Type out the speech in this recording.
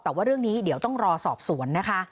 แต่ว่าเรื่องนี้เดี๋ยวต้องรอสอบสวนนะคะ